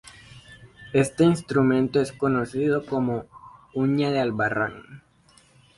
Este instrumento es conocido como "uña de Albarrán".